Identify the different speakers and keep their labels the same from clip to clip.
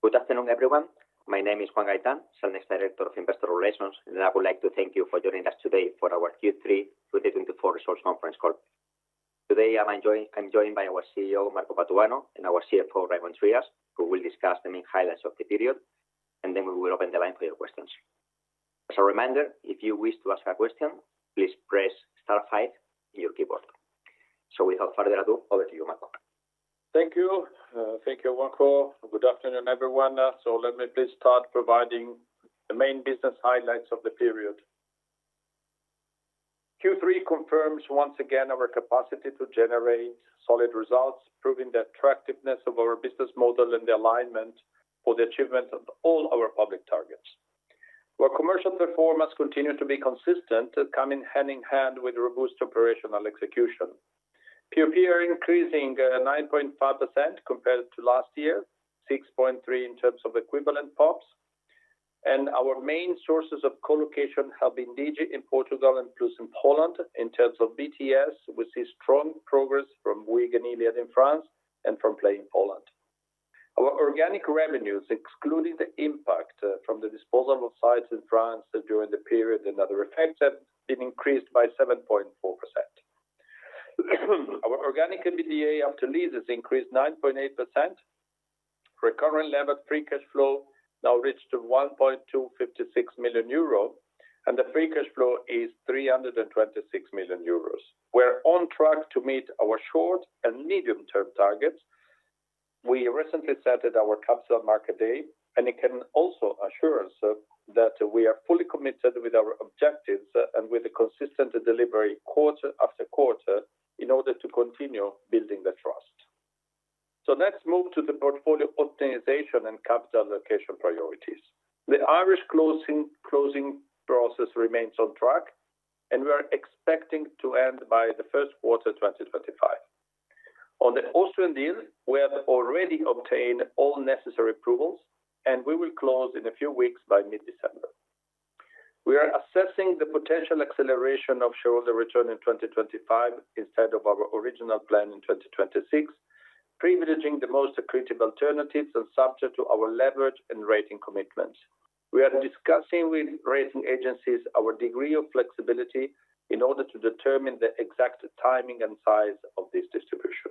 Speaker 1: Good afternoon, everyone. My name is Juan Gaitán, Cellnex Director of Investor Relations, and I would like to thank you for joining us today for our Q3 2024 Results Conference Call. Today, I'm joined by our CEO, Marco Patuano, and our CFO, Raimon Trias, who will discuss the main highlights of the period, and then we will open the line for your questions. As a reminder, if you wish to ask a question, please press * in your keyboard. So, without further ado, over to you, Marco.
Speaker 2: Thank you. Thank you. Good afternoon, everyone. So, let me please start providing the main business highlights of the period. Q3 confirms once again our capacity to generate solid results, proving the attractiveness of our business model and the alignment for the achievement of all our public targets. Our commercial performance continues to be consistent, coming hand in hand with robust operational execution. PoPs are increasing 9.5% compared to last year, 6.3% in terms of equivalent PoPs. And our main sources of colocation have been Digi in Portugal and Plus in Poland in terms of BTS, with strong progress from Bouygues and Iliad in France and from Play in Poland. Our organic revenues, excluding the impact from the disposal of sites in France during the period and other effects, have been increased by 7.4%. Our organic EBITDA after leases increased 9.8%. Recurring Levered Free Cash Flow now reached €1,256 million, and the free cash flow is €326 million. We're on track to meet our short and medium-term targets. We recently started our Capital Markets Day, and it can also assure us that we are fully committed with our objectives and with a consistent delivery quarter-after-quarter in order to continue building the trust. Let's move to the portfolio optimization and capital allocation priorities. The Irish closing process remains on track, and we are expecting to end by the Q1 of 2025. On the Austrian deal, we have already obtained all necessary approvals, and we will close in a few weeks by mid-December. We are assessing the potential acceleration of shareholder return in 2025 instead of our original plan in 2026, privileging the most equitable alternatives and subject to our leverage and rating commitments. We are discussing with rating agencies our degree of flexibility in order to determine the exact timing and size of this distribution.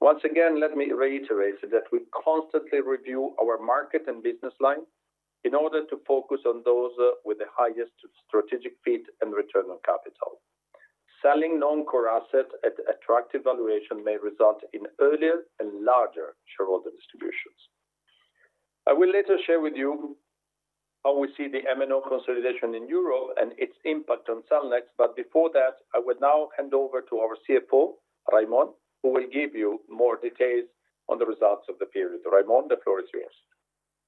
Speaker 2: Once again, let me reiterate that we constantly review our market and business line in order to focus on those with the highest strategic fit and return on capital. Selling non-core assets at attractive valuation may result in earlier and larger shareholder distributions. I will later share with you how we see the MNO consolidation in Europe and its impact on Cellnex, but before that, I will now hand over to our CFO, Raimon, who will give you more details on the results of the period. Raimon, the floor is yours.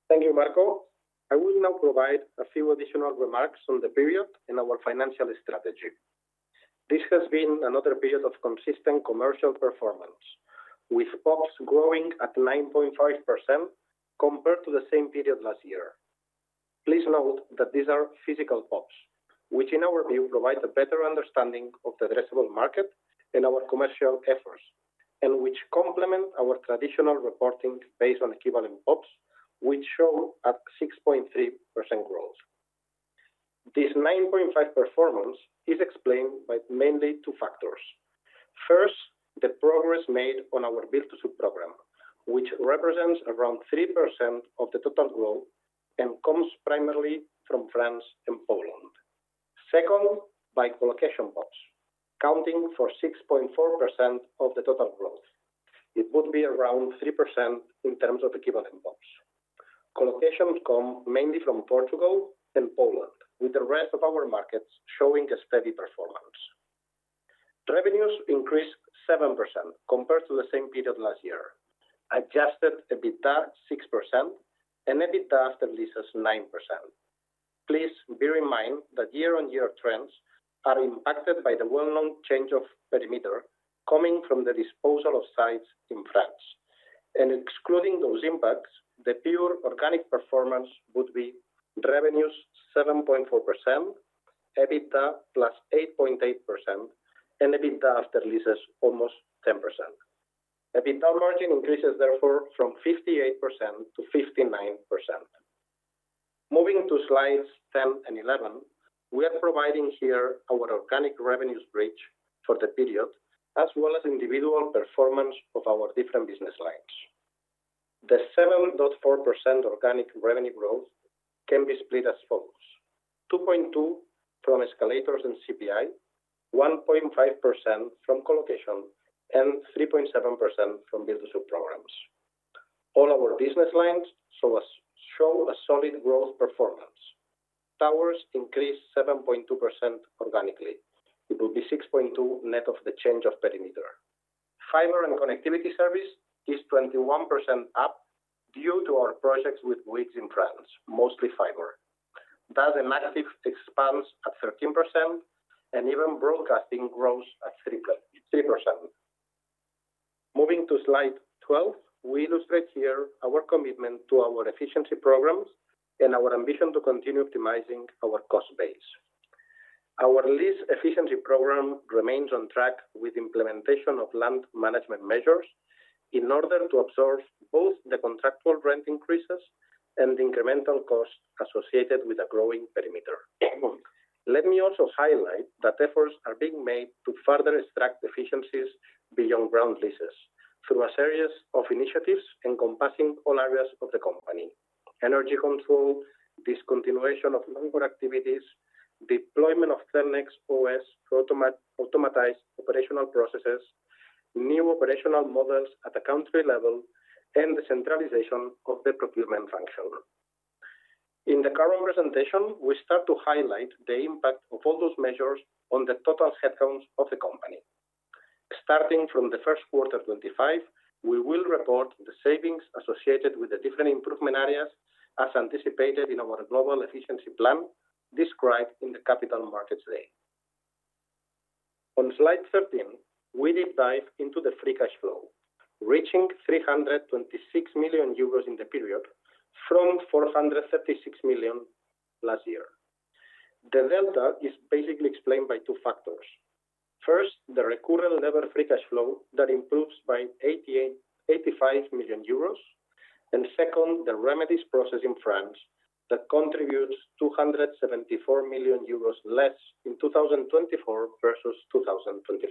Speaker 3: Thank you, Marco. I will now provide a few additional remarks on the period and our financial strategy. This has been another period of consistent commercial performance, with PoPs growing at 9.5% compared to the same period last year. Please note that these are physical PoPs, which in our view provide a better understanding of the addressable market and our commercial efforts, and which complement our traditional reporting based on equivalent PoPs, which show a 6.3% growth. This 9.5% performance is explained by mainly two factors. First, the progress made on our BTS program, which represents around 3% of the total growth and comes primarily from France and Poland. Second, by colocation PoPs, accounting for 6.4% of the total growth. It would be around 3% in terms of equivalent PoPs. Colocations come mainly from Portugal and Poland, with the rest of our markets showing a steady performance. Revenues increased 7% compared to the same period last year, adjusted EBITDA 6%, and EBITDA after leases 9%. Please bear in mind that year-on-year trends are impacted by the well-known change of perimeter coming from the disposal of sites in France, and excluding those impacts, the pure organic performance would be revenues 7.4%, EBITDA plus 8.8%, and EBITDA after leases almost 10%. EBITDA margin increases, therefore, from 58% to 59%. Moving to slides 10 and 11, we are providing here our organic revenues bridge for the period, as well as individual performance of our different business lines. The 7.4% organic revenue growth can be split as follows: 2.2% from escalators and CPI, 1.5% from colocation, and 3.7% from BTS programs. All our business lines show a solid growth performance. Towers increased 7.2% organically. It will be 6.2% net of the change of perimeter. Fiber and connectivity service is 21% up due to our projects with Bouygues in France, mostly fiber. That's an active expansion at 13%, and even broadcasting grows at 3%. Moving to slide 12, we illustrate here our commitment to our efficiency programs and our ambition to continue optimizing our cost base. Our lease efficiency program remains on track with implementation of land management measures in order to absorb both the contractual rent increases and the incremental costs associated with a growing perimeter. Let me also highlight that efforts are being made to further extract efficiencies beyond ground leases through a series of initiatives encompassing all areas of the company: energy control, discontinuation of long-hour activities, deployment of Cellnex OS to automatize operational processes, new operational models at the country level, and the centralization of the procurement function. In the current presentation, we start to highlight the impact of all those measures on the total headcount of the company. Starting from the Q1 2025, we will report the savings associated with the different improvement areas as anticipated in our global efficiency plan described in the Capital Markets Day. On slide 13, we deep dive into the free cash flow, reaching 326 million euros in the period from 436 million last year. The delta is basically explained by two factors. First, the recurring levered free cash flow that improves by 85 million euros, and second, the remedies process in France that contributes 274 million euros less in 2024 versus 2023.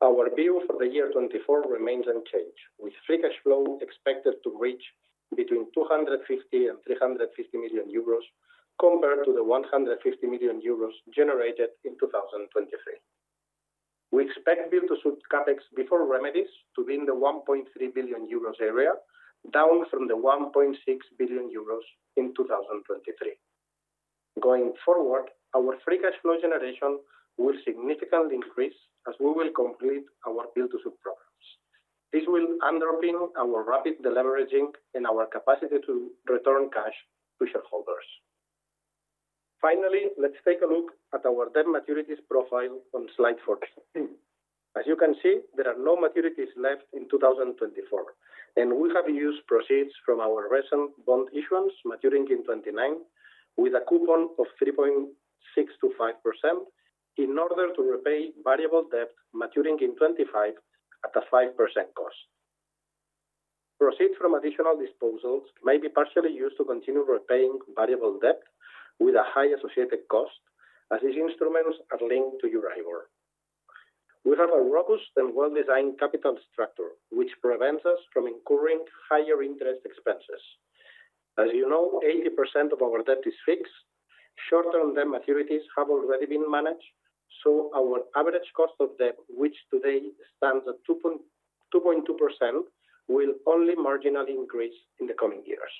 Speaker 3: Our view for the year 2024 remains unchanged, with free cash flow expected to reach between 250 and 350 million euros compared to the 150 million euros generated in 2023. We expect BTS CapEx before remedies to be in the 1.3 billion euros area, down from the 1.6 billion euros in 2023. Going forward, our free cash flow generation will significantly increase as we will complete our BTS programs. This will underpin our rapid deleveraging and our capacity to return cash to shareholders. Finally, let's take a look at our debt maturities profile on slide 14. As you can see, there are no maturities left in 2024, and we have used proceeds from our recent bond issuance maturing in 2029, with a coupon of 3.625% in order to repay variable debt maturing in 2025 at a 5% cost. Proceeds from additional disposals may be partially used to continue repaying variable debt with a high associated cost, as these instruments are linked to Euribor. We have a robust and well-designed capital structure, which prevents us from incurring higher interest expenses. As you know, 80% of our debt is fixed. Short-term debt maturities have already been managed, so our average cost of debt, which today stands at 2.2%, will only marginally increase in the coming years.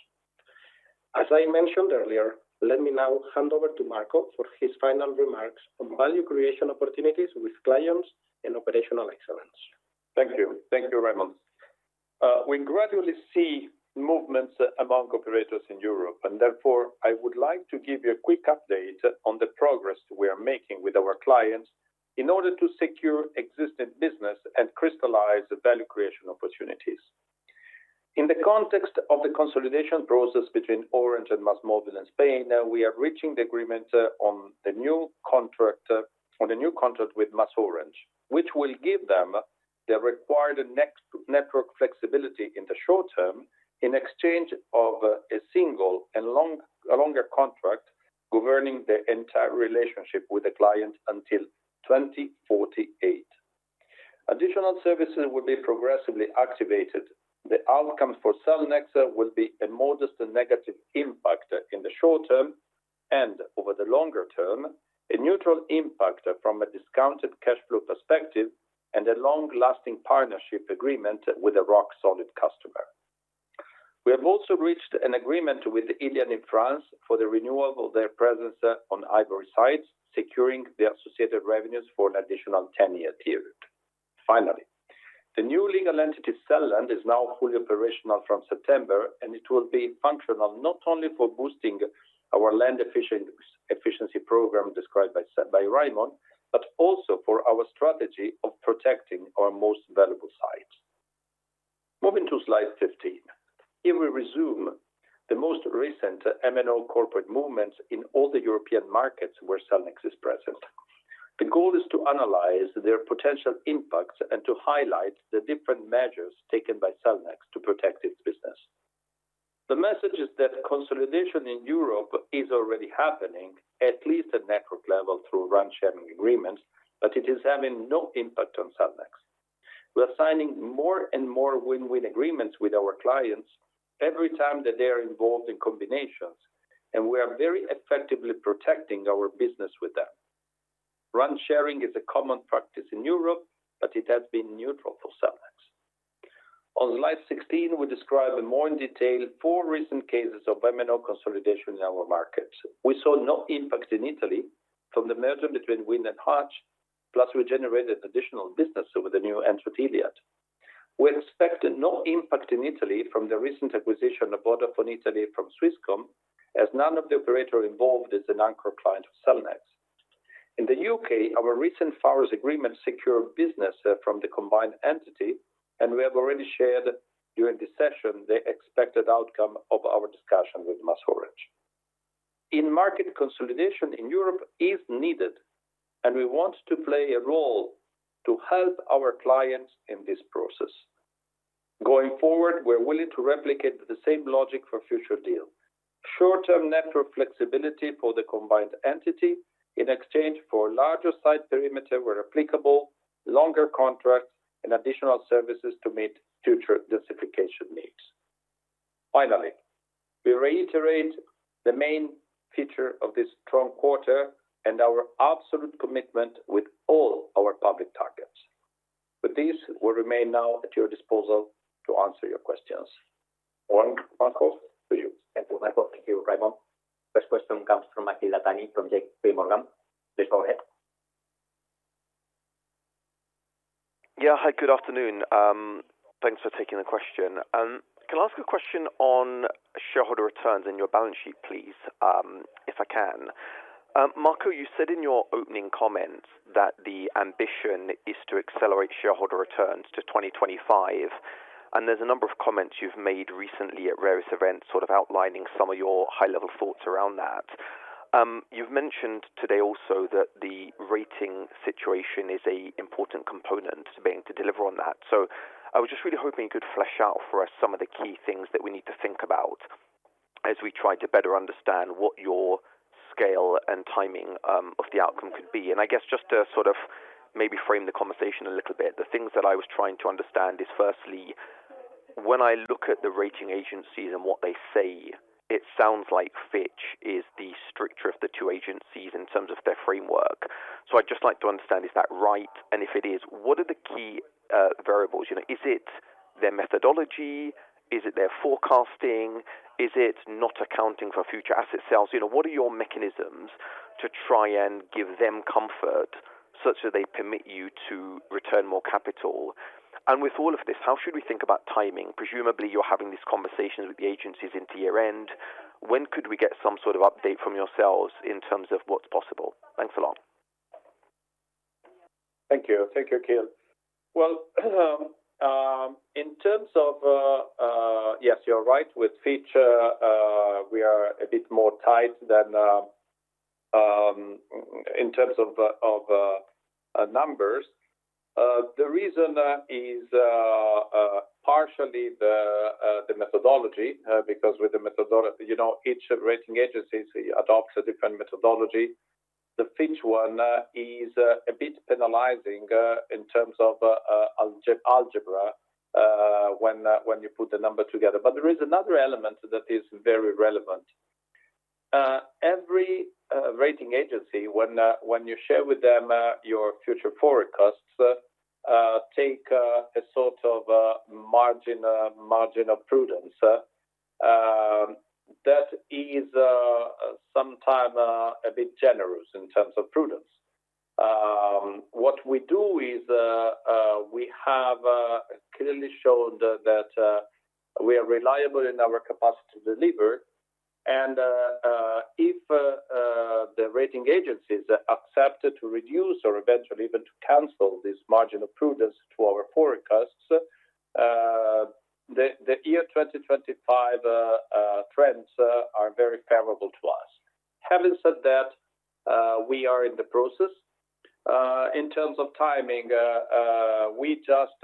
Speaker 3: As I mentioned earlier, let me now hand over to Marco for his final remarks on value creation opportunities with clients and operational excellence.
Speaker 2: Thank you. Thank you, Raimon. We gradually see movements among operators in Europe, and therefore, I would like to give you a quick update on the progress we are making with our clients in order to secure existing business and crystallize value creation opportunities. In the context of the consolidation process between Orange and MasMovil in Spain, we are reaching the agreement on the new contract with MasOrange, which will give them the required network flexibility in the short term in exchange for a single and longer contract governing the entire relationship with the client until 2048. Additional services will be progressively activated. The outcomes for Cellnex will be a modest negative impact in the short term and over the longer term, a neutral impact from a discounted cash flow perspective, and a long-lasting partnership agreement with a rock-solid customer. We have also reached an agreement with Iliad in France for the renewal of their presence on Hivory sites, securing the associated revenues for an additional 10-year period. Finally, the new legal entity CellLand is now fully operational from September, and it will be functional not only for boosting our land efficiency program described by Raimon, but also for our strategy of protecting our most valuable sites. Moving to slide 15, here we resume the most recent MNO corporate movements in all the European markets where Cellnex is present. The goal is to analyze their potential impacts and to highlight the different measures taken by Cellnex to protect its business. The message is that consolidation in Europe is already happening, at least at network level through RAN-sharing agreements, but it is having no impact on Cellnex. We are signing more and more win-win agreements with our clients every time that they are involved in combinations, and we are very effectively protecting our business with them. RAN sharing is a common practice in Europe, but it has been neutral for Cellnex. On slide 16, we describe more in detail four recent cases of MNO consolidation in our markets. We saw no impact in Italy from the merger between Wind and Hutch, plus we generated additional business with the new entity Iliad. We expect no impact in Italy from the recent acquisition of Vodafone Italy from Swisscom, as none of the operators involved is an anchor client of Cellnex. In the UK, our recent Pharos agreement secured business from the combined entity, and we have already shared during the session the expected outcome of our discussion with MasOrange. In-market consolidation in Europe is needed, and we want to play a role to help our clients in this process. Going forward, we're willing to replicate the same logic for future deals: short-term network flexibility for the combined entity in exchange for a larger site perimeter where applicable, longer contracts, and additional services to meet future densification needs. Finally, we reiterate the main feature of this strong quarter and our absolute commitment with all our public targets. With this, we remain now at your disposal to answer your questions. Juan, to you.
Speaker 1: Thank you, Marco. Thank you, Raimon. First question comes from Akhil Dattani from JPMorgan. Please go ahead.
Speaker 4: Yeah, hi, good afternoon. Thanks for taking the question. Can I ask a question on shareholder returns in your balance sheet, please, if I can? Marco, you said in your opening comments that the ambition is to accelerate shareholder returns to 2025, and there's a number of comments you've made recently at various events sort of outlining some of your high-level thoughts around that. You've mentioned today also that the rating situation is an important component to being able to deliver on that. So I was just really hoping you could flesh out for us some of the key things that we need to think about as we try to better understand what your scale and timing of the outcome could be. I guess just to sort of maybe frame the conversation a little bit, the things that I was trying to understand is firstly, when I look at the rating agencies and what they say, it sounds like Fitch is the stricter of the two agencies in terms of their framework. So I'd just like to understand, is that right? And if it is, what are the key variables? Is it their methodology? Is it their forecasting? Is it not accounting for future asset sales? What are your mechanisms to try and give them comfort such that they permit you to return more capital? And with all of this, how should we think about timing? Presumably, you're having these conversations with the agencies into year-end. When could we get some sort of update from yourselves in terms of what's possible? Thanks a lot.
Speaker 2: Thank you. Thank you, Akhil. Well, in terms of, yes, you're right, with Fitch, we are a bit more tight than in terms of numbers. The reason is partially the methodology, because with the methodology, each rating agency adopts a different methodology. The Fitch one is a bit penalizing in terms of algebra when you put the number together. But there is another element that is very relevant. Every rating agency, when you share with them your future forecasts, take a sort of margin of prudence. That is sometimes a bit generous in terms of prudence. What we do is we have clearly shown that we are reliable in our capacity to deliver. And if the rating agencies accept to reduce or eventually even to cancel this margin of prudence to our forecasts, the year 2025 trends are very favorable to us. Having said that, we are in the process. In terms of timing, we just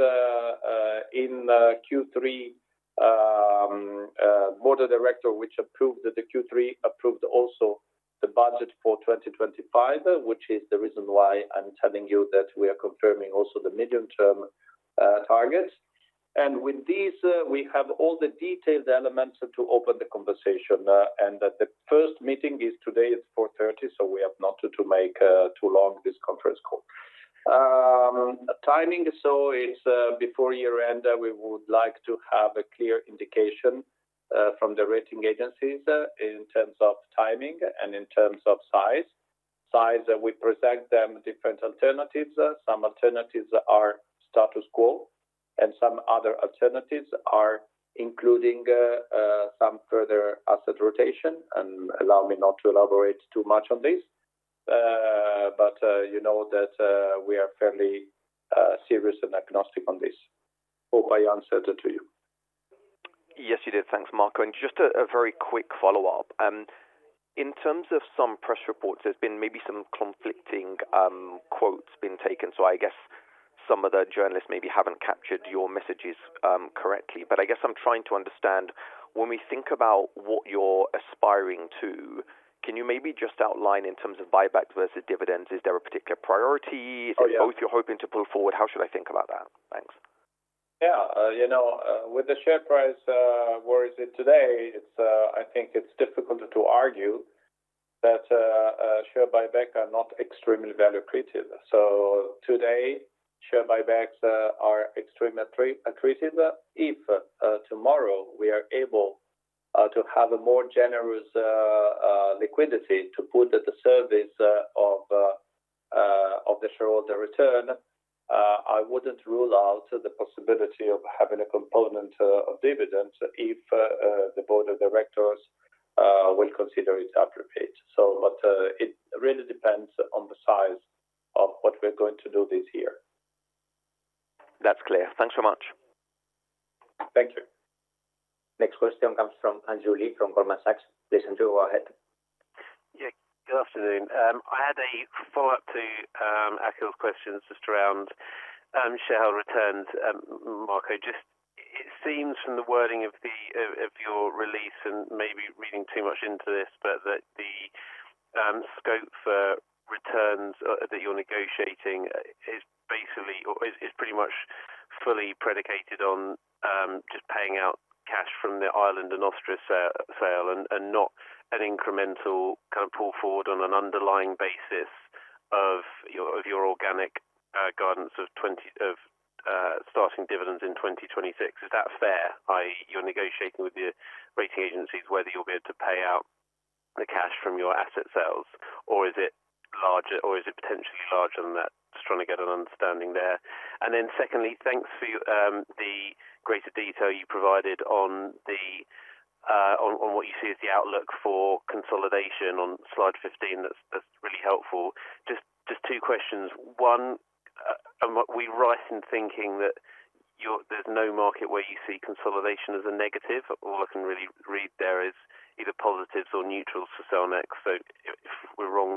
Speaker 2: in Q3 board of directors which approved the Q3 approved also the budget for 2025, which is the reason why I'm telling you that we are confirming also the medium-term targets. And with these, we have all the detailed elements to open the conversation. And the first meeting is today at 4:30 P.M., so we have not to make too long this conference call. Timing, so it's before year-end, we would like to have a clear indication from the rating agencies in terms of timing and in terms of size. Size, we present them different alternatives. Some alternatives are status quo, and some other alternatives are including some further asset rotation. And allow me not to elaborate too much on this, but you know that we are fairly serious and agnostic on this. Hope I answered it to you.
Speaker 4: Yes, you did. Thanks, Marco. And just a very quick follow-up. In terms of some press reports, there's been maybe some conflicting quotes being taken. So I guess some of the journalists maybe haven't captured your messages correctly. But I guess I'm trying to understand, when we think about what you're aspiring to, can you maybe just outline in terms of buyback versus dividends, is there a particular priority? Is it both you're hoping to pull forward? How should I think about that? Thanks.
Speaker 2: Yeah. You know, with the share price, where is it today? I think it's difficult to argue that share buybacks are not extremely value creative. So today, share buybacks are extremely creative. If tomorrow we are able to have a more generous liquidity to put at the service of the shareholder return, I wouldn't rule out the possibility of having a component of dividends if the board of directors will consider it appropriate. But it really depends on the size of what we're going to do this year.
Speaker 4: That's clear. Thanks so much.
Speaker 2: Thank you.
Speaker 1: Next question comes from Andrew Lee from Goldman Sachs. Please, Andrew, go ahead.
Speaker 5: Yeah, good afternoon. I had a follow-up to Akhil's questions just around shareholder returns, Marco. Just it seems from the wording of your release and maybe reading too much into this, but that the scope for returns that you're negotiating is basically or is pretty much fully predicated on just paying out cash from the Ireland and Austria sale and not an incremental kind of pull forward on an underlying basis of your organic guidance of starting dividends in 2026. Is that fair? i.e., you're negotiating with your rating agencies whether you'll be able to pay out the cash from your asset sales, or is it larger or is it potentially larger than that? Just trying to get an understanding there. And then secondly, thanks for the greater detail you provided on what you see as the outlook for consolidation on slide 15. That's really helpful. Just two questions. One, are we right in thinking that there's no market where you see consolidation as a negative? All I can really read there is either positives or neutrals for Cellnex. So if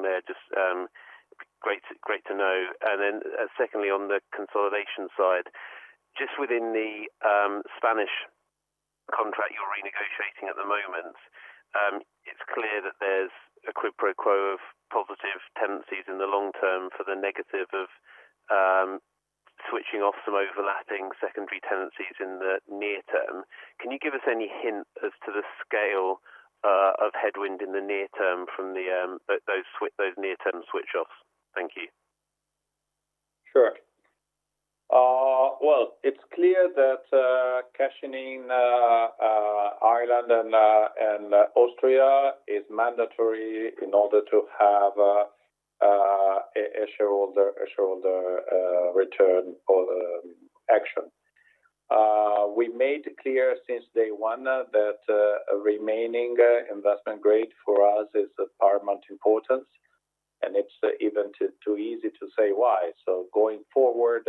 Speaker 5: we're wrong there, just great to know. And then secondly, on the consolidation side, just within the Spanish contract you're renegotiating at the moment, it's clear that there's a quid pro quo of positive tenancies in the long term for the negative of switching off some overlapping secondary tenancies in the near term. Can you give us any hint as to the scale of headwind in the near term from those near-term switch-offs? Thank you.
Speaker 2: Sure. Well, it's clear that selling Ireland and Austria is mandatory in order to have a shareholder return action. We made clear since day one that remaining investment grade for us is paramount importance, and it's even too easy to say why. So going forward,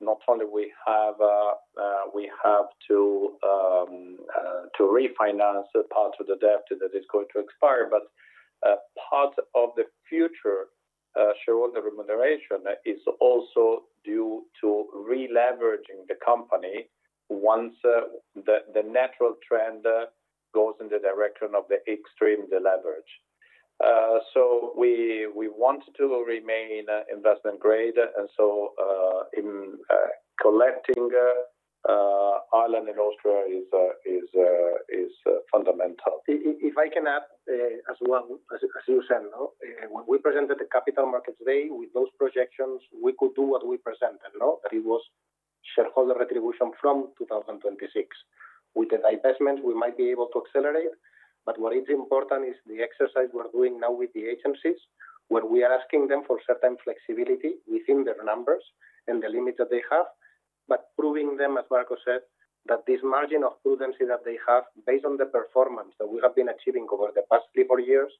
Speaker 2: not only do we have to refinance part of the debt that is going to expire, but part of the future shareholder remuneration is also due to re-leveraging the company once the natural trend goes in the direction of the extreme deleverage. So we want to remain investment grade, and so selling Ireland and Austria is fundamental.
Speaker 3: If I can add, as well as you said, when we presented the capital markets today with those projections, we could do what we presented, that it was shareholder distribution from 2026. With the divestments, we might be able to accelerate, but what is important is the exercise we're doing now with the agencies, where we are asking them for certain flexibility within their numbers and the limits that they have, but proving them, as Marco said, that this margin of prudence that they have, based on the performance that we have been achieving over the past three or four years,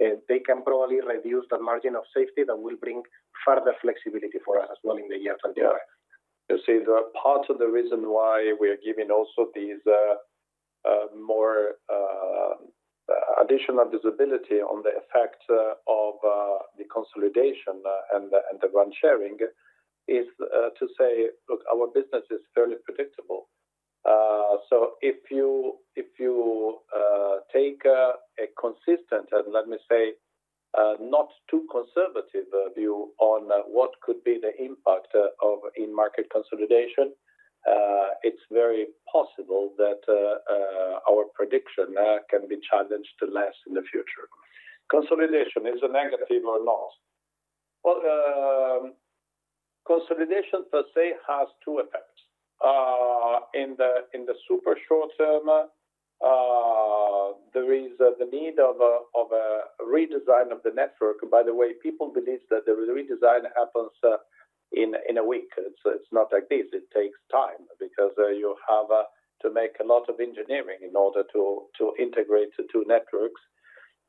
Speaker 3: they can probably reduce that margin of safety that will bring further flexibility for us as well in the year 2025.
Speaker 2: You see, part of the reason why we are giving also this more additional visibility on the effect of the consolidation and the RAN sharing is to say, look, our business is fairly predictable. So if you take a consistent and, let me say, not too conservative view on what could be the impact of in-market consolidation, it's very possible that our prediction can be challenged less in the future. Consolidation, is it negative or not? Well, consolidation per se has two effects. In the super short term, there is the need of a redesign of the network. By the way, people believe that the redesign happens in a week. It's not like this. It takes time because you have to make a lot of engineering in order to integrate the two networks.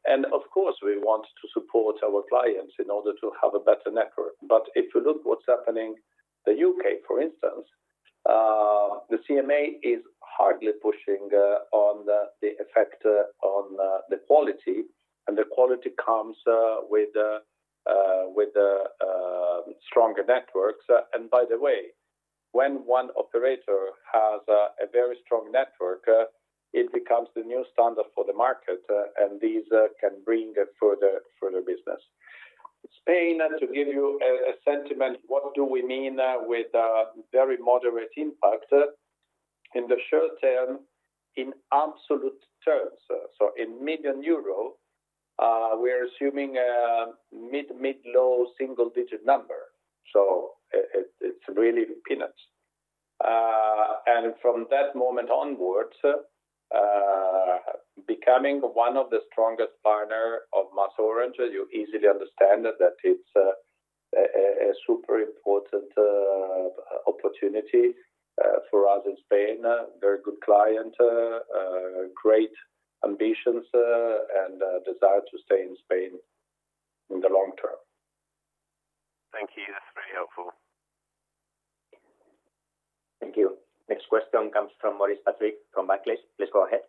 Speaker 2: And of course, we want to support our clients in order to have a better network. But if you look at what's happening in the U.K., for instance, the CMA is hardly pushing on the effect on the quality, and the quality comes with stronger networks. By the way, when one operator has a very strong network, it becomes the new standard for the market, and these can bring further business. Spain, to give you a sentiment, what do we mean with very moderate impact in the short term in absolute terms? So in million euro, we are assuming a mid-low single-digit number. So it's really peanuts. And from that moment onwards, becoming one of the strongest partners of MasOrange, you easily understand that it's a super important opportunity for us in Spain, a very good client, great ambitions, and a desire to stay in Spain in the long term.
Speaker 5: Thank you. That's very helpful.
Speaker 1: Thank you. Next question comes from Maurice Patrick from Barclays. Please go ahead.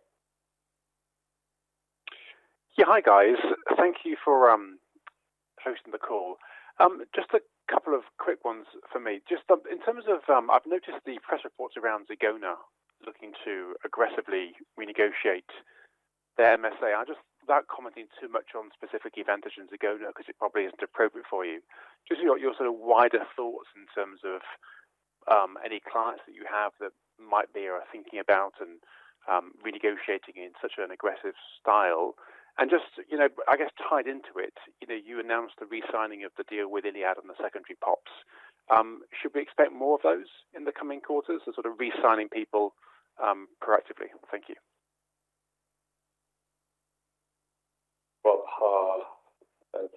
Speaker 6: Yeah, hi, guys. Thank you for hosting the call. Just a couple of quick ones for me. Just in terms of I've noticed the press reports around Zegona looking to aggressively renegotiate their MSA. I'm just without commenting too much on specific advantages in Zegona because it probably isn't appropriate for you. Just your sort of wider thoughts in terms of any clients that you have that might be thinking about and renegotiating in such an aggressive style. And just, I guess, tied into it, you announced the re-signing of the deal with Iliad and the secondary POPs. Should we expect more of those in the coming quarters, the sort of re-signing people proactively? Thank you.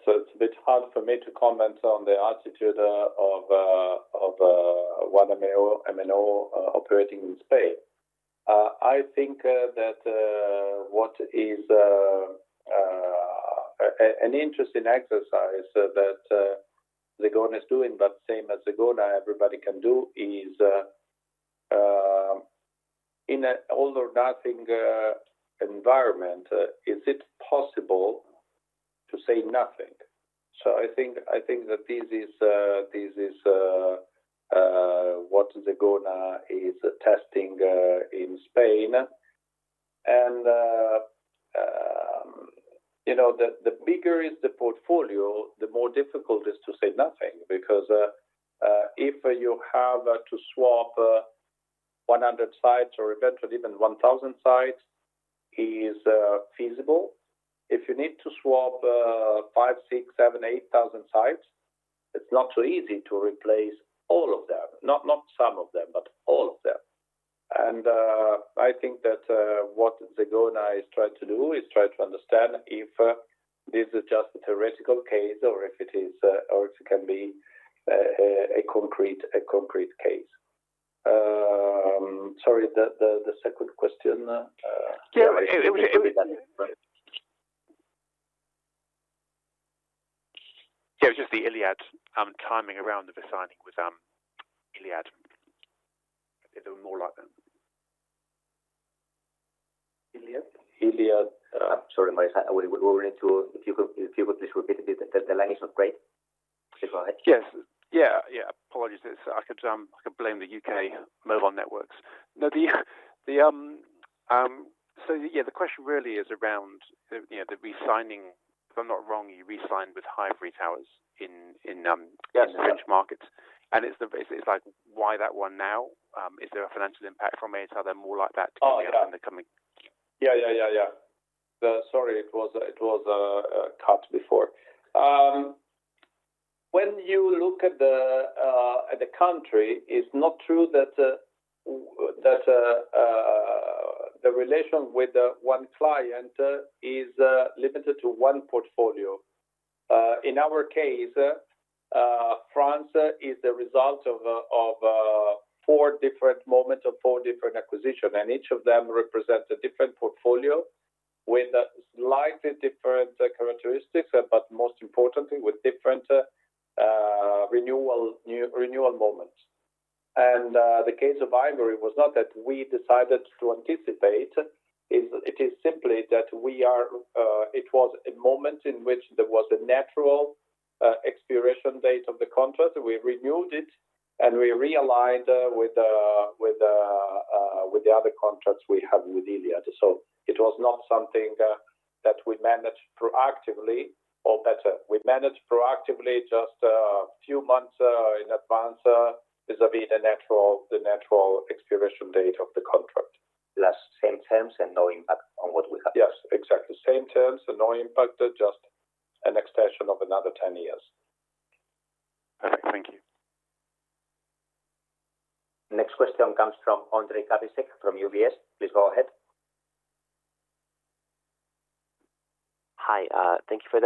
Speaker 2: It's a bit hard for me to comment on the attitude of an MNO operating in Spain. I think that what is an interesting exercise that Zegona is doing, but same as Zegona, everybody can do, is in an all-or-nothing environment, is it possible to say nothing? So I think that this is what Zegona is testing in Spain, and the bigger the portfolio, the more difficult it is to say nothing, because if you have to swap 100 sites or eventually even 1,000 sites, it is feasible. If you need to swap 5, 6, 7, 8,000 sites, it's not so easy to replace all of them. Not some of them, but all of them, and I think that what Zegona is trying to do is try to understand if this is just a theoretical case or if it can be a concrete case. Sorry, the second question.
Speaker 6: Yeah, it was just the Iliad. Yeah, it was just the Iliad timing around the re-signing with Iliad. They were more like that.
Speaker 2: Iliad?
Speaker 1: Iliad. Sorry, Maurice, we need to, if you could please repeat it, the language is not great.
Speaker 6: Yes. Yeah, yeah. Apologies. I could blame the UK mobile networks. So yeah, the question really is around the re-signing. If I'm not wrong, you re-signed with Hivory in the French market. And it's like, why that one now? Is there a financial impact from it? Are there more like that coming up in the coming?
Speaker 2: Yeah, yeah, yeah, yeah. Sorry, it was cut before. When you look at the country, it's not true that the relation with one client is limited to one portfolio. In our case, France is the result of four different moments of four different acquisitions, and each of them represents a different portfolio with slightly different characteristics, but most importantly, with different renewal moments. The case of Hivory was not that we decided to anticipate. It is simply that it was a moment in which there was a natural expiration date of the contract. We renewed it, and we realigned with the other contracts we have with Iliad. So it was not something that we managed proactively, or better, we managed proactively just a few months in advance vis-à-vis the natural expiration date of the contract.
Speaker 3: Plus same terms and no impact on what we have.
Speaker 2: Yes, exactly. Same terms and no impact, just an extension of another 10 years.
Speaker 6: Perfect. Thank you.
Speaker 1: Next question comes from Ondrej Cabejsek from UBS. Please go ahead.
Speaker 7: Hi. Thank you for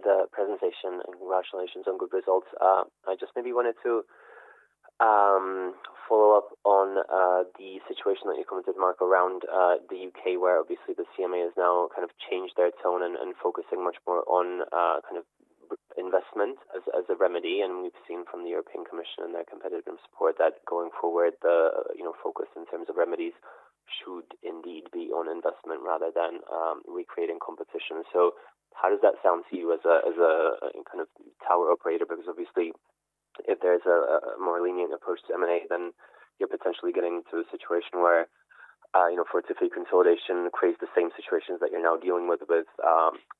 Speaker 7: the presentation and congratulations on good results. I just maybe wanted to follow up on the situation that you commented, Marco, around the UK, where obviously the CMA has now kind of changed their tone and focusing much more on kind of investment as a remedy. And we've seen from the European Commission and their competitive support that going forward, the focus in terms of remedies should indeed be on investment rather than recreating competition. So how does that sound to you as a kind of tower operator? Because obviously, if there's a more lenient approach to M&A, then you're potentially getting to a situation where consolidation creates the same situations that you're now dealing with with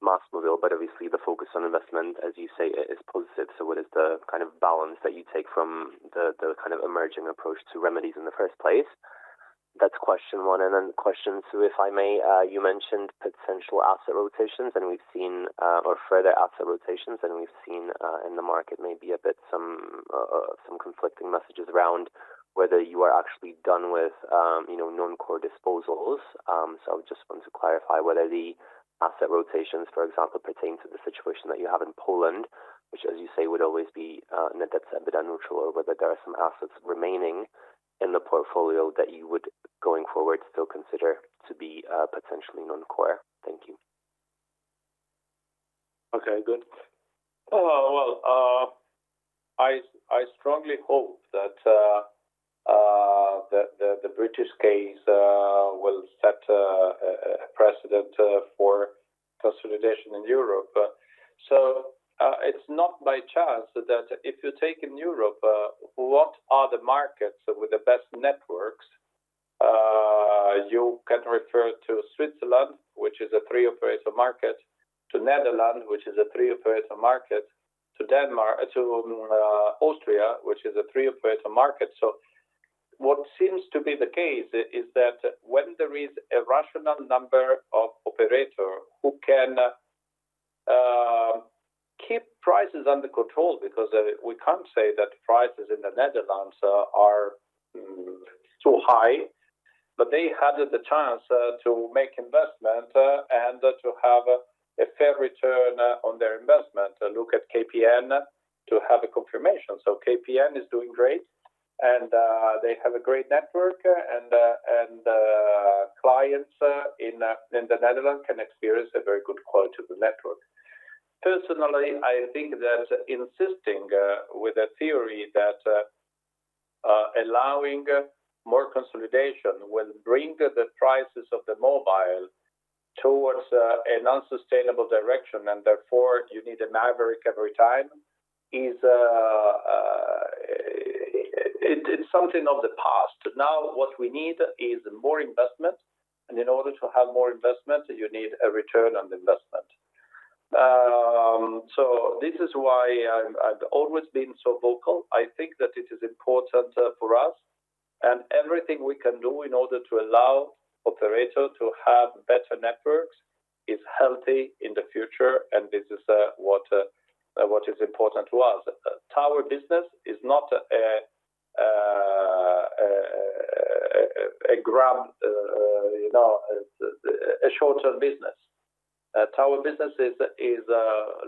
Speaker 7: MasMovil, but obviously the focus on investment, as you say, is positive. So what is the kind of balance that you take from the kind of emerging approach to remedies in the first place? That's question one. And then question two, if I may, you mentioned potential asset rotations, and we've seen or further asset rotations, and we've seen in the market maybe a bit some conflicting messages around whether you are actually done with non-core disposals. So I just want to clarify whether the asset rotations, for example, pertain to the situation that you have in Poland, which, as you say, would always be net debt accretive and neutral, or whether there are some assets remaining in the portfolio that you would, going forward, still consider to be potentially non-core. Thank you.
Speaker 2: Okay, good. Well, I strongly hope that the British case will set a precedent for consolidation in Europe. So it's not by chance that if you take in Europe, what are the markets with the best networks? You can refer to Switzerland, which is a three-operator market, to Netherlands, which is a three-operator market, to Austria, which is a three-operator market. So what seems to be the case is that when there is a rational number of operators who can keep prices under control, because we can't say that prices in the Netherlands are too high, but they had the chance to make investment and to have a fair return on their investment, look at KPN to have a confirmation. So KPN is doing great, and they have a great network, and clients in the Netherlands can experience a very good quality of the network. Personally, I think that insisting with a theory that allowing more consolidation will bring the prices of the mobile towards an unsustainable direction, and therefore you need an average recovery time, it's something of the past. Now what we need is more investment, and in order to have more investment, you need a return on the investment. So this is why I've always been so vocal. I think that it is important for us, and everything we can do in order to allow operators to have better networks is healthy in the future, and this is what is important to us. Tower business is not a short-term business. Tower business is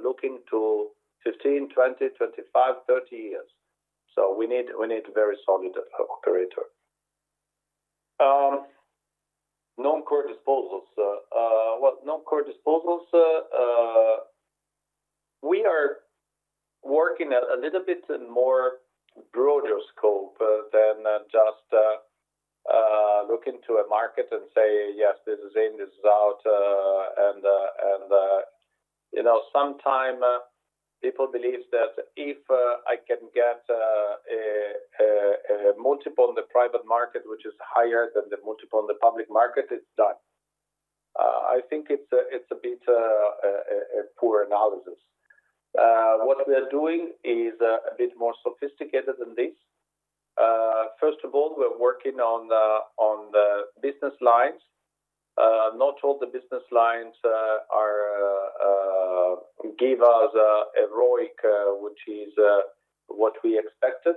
Speaker 2: looking to 15, 20, 25, 30 years. So we need a very solid operator. Non-core disposals. Non-core disposals, we are working a little bit more broader scope than just looking to a market and say, "Yes, this is in, this is out." And sometimes people believe that if I can get a multiple on the private market, which is higher than the multiple on the public market, it's done. I think it's a bit a poor analysis. What we're doing is a bit more sophisticated than this. First of all, we're working on the business lines. Not all the business lines give us a ROIC, which is what we expected.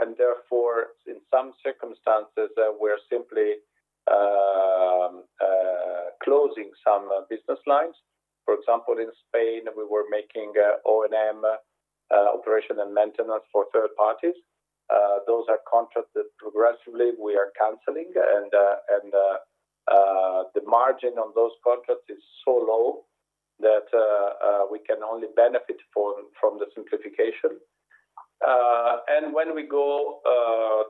Speaker 2: And therefore, in some circumstances, we're simply closing some business lines. For example, in Spain, we were making O&M operation and maintenance for third parties. Those are contracts that progressively we are canceling, and the margin on those contracts is so low that we can only benefit from the simplification. And when we go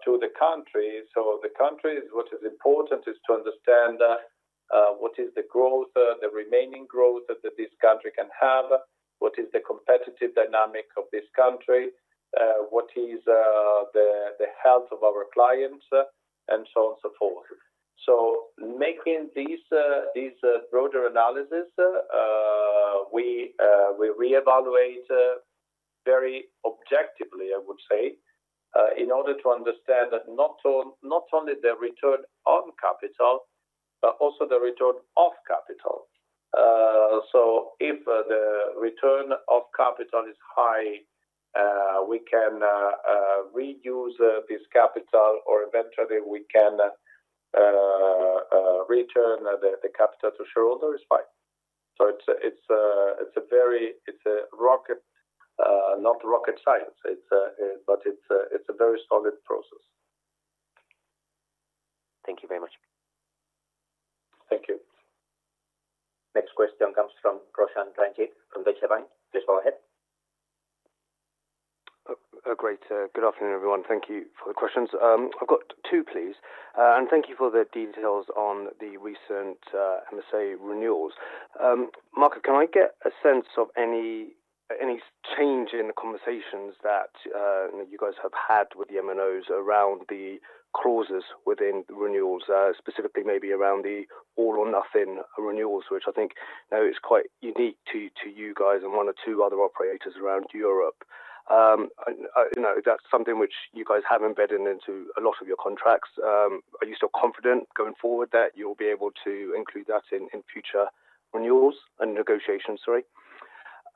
Speaker 2: to the country, so the country, what is important is to understand what is the growth, the remaining growth that this country can have, what is the competitive dynamic of this country, what is the health of our clients, and so on and so forth. So making these broader analyses, we re-evaluate very objectively, I would say, in order to understand not only the return on capital, but also the return of capital. So if the return of capital is high, we can reuse this capital, or eventually we can return the capital to shareholders, fine. So it's not rocket science, but it's a very solid process.
Speaker 7: Thank you very much.
Speaker 2: Thank you.
Speaker 1: Next question comes from Roshan Ranjit from Deutsche Bank. Please go ahead.
Speaker 8: Great. Good afternoon, everyone. Thank you for the questions. I've got two, please. And thank you for the details on the recent MSA renewals. Marco, can I get a sense of any change in the conversations that you guys have had with the M&Os around the clauses within the renewals, specifically maybe around the all-or-nothing renewals, which I think, you know, is quite unique to you guys and one or two other operators around Europe. That's something which you guys have embedded into a lot of your contracts. Are you still confident going forward that you'll be able to include that in future renewals and negotiations? Sorry.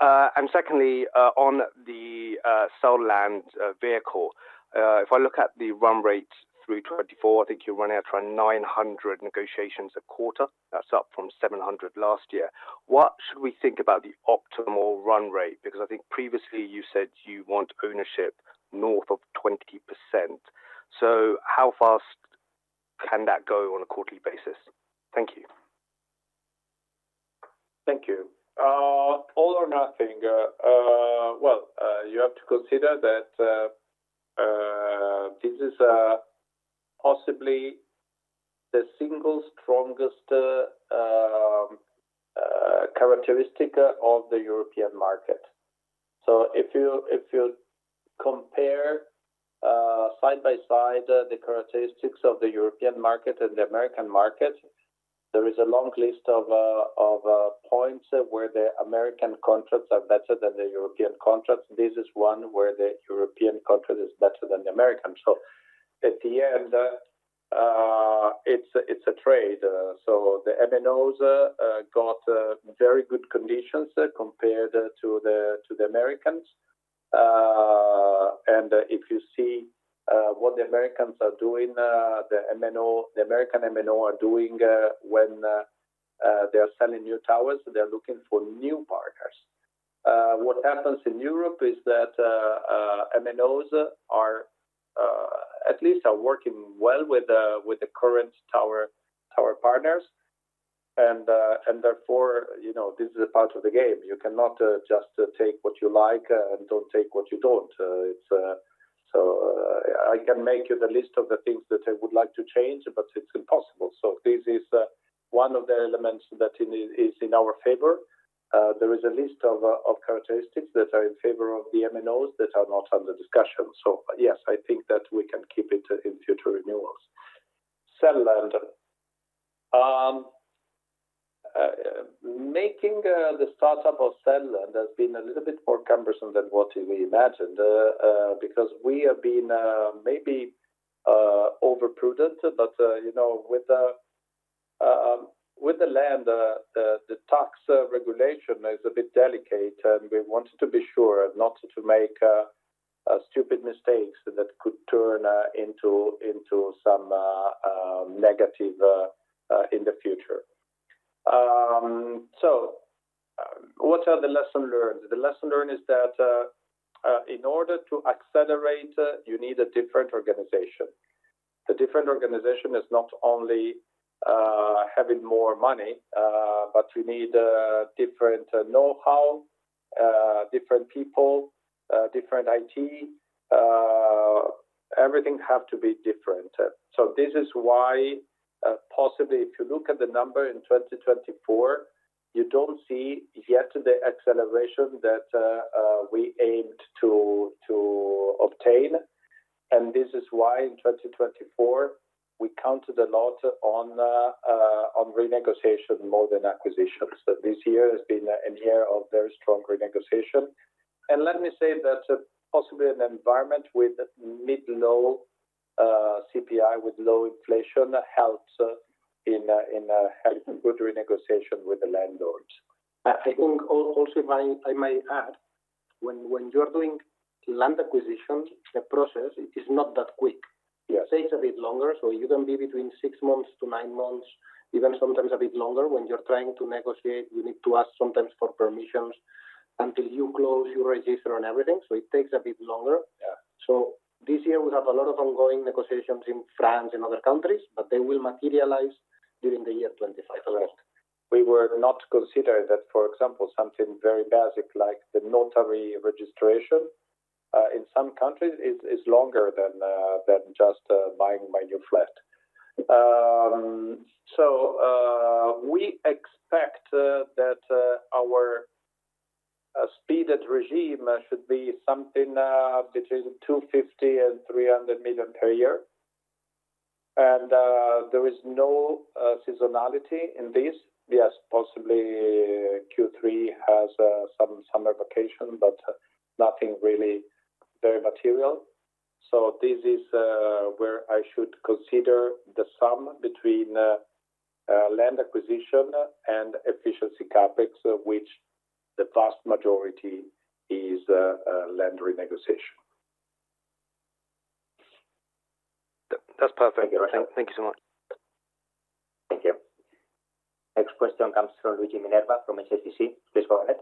Speaker 8: And secondly, on the CellLand vehicle, if I look at the run rate through 2024, I think you're running out to around 900 negotiations a quarter. That's up from 700 last year. What should we think about the optimal run rate? Because I think previously you said you want ownership north of 20%. So how fast can that go on a quarterly basis? Thank you.
Speaker 2: Thank you. All or nothing. You have to consider that this is possibly the single strongest characteristic of the European market. If you compare side by side the characteristics of the European market and the American market, there is a long list of points where the American contracts are better than the European contracts. This is one where the European contract is better than the American. At the end, it's a trade. The M&Os got very good conditions compared to the Americans. If you see what the Americans are doing, the American M&O are doing when they're selling new towers, they're looking for new partners. What happens in Europe is that M&Os are at least working well with the current tower partners. Therefore, this is a part of the game. You cannot just take what you like and don't take what you don't. So I can make you the list of the things that I would like to change, but it's impossible. So this is one of the elements that is in our favor. There is a list of characteristics that are in favor of the M&Os that are not under discussion. So yes, I think that we can keep it in future renewals. CellLand. Making the startup of CellLand has been a little bit more cumbersome than what we imagined because we have been maybe overprudent, but with the land, the tax regulation is a bit delicate, and we wanted to be sure not to make stupid mistakes that could turn into some negative in the future. So what are the lessons learned? The lesson learned is that in order to accelerate, you need a different organization. The different organization is not only having more money, but you need different know-how, different people, different IT. Everything has to be different. So this is why possibly if you look at the number in 2024, you don't see yet the acceleration that we aimed to obtain. And this is why in 2024, we counted a lot on renegotiation more than acquisitions. This year has been a year of very strong renegotiation. And let me say that possibly an environment with mid-low CPI, with low inflation, helps in having a good renegotiation with the landlords.
Speaker 3: I think also, if I may add, when you're doing land acquisition, the process is not that quick. It takes a bit longer, so you can be between six months to nine months, even sometimes a bit longer. When you're trying to negotiate, you need to ask sometimes for permissions until you close, you register on everything. So it takes a bit longer, so this year, we have a lot of ongoing negotiations in France and other countries, but they will materialize during the year 2025.
Speaker 2: We were not considering that, for example, something very basic like the notary registration in some countries is longer than just buying your flat. So we expect that our speed at regime should be something between 250 million and 300 million per year. And there is no seasonality in this. Yes, possibly Q3 has some summer vacation, but nothing really very material. So this is where I should consider the sum between land acquisition and efficiency CapEx, which the vast majority is land renegotiation.
Speaker 8: That's perfect. Thank you so much.
Speaker 1: Thank you. Next question comes from Luigi Minerva from HSBC. Please go ahead.